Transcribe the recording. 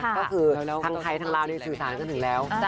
ก็คือทั้งใครทั้งราวในสื่อสารก็ถึงแล้ว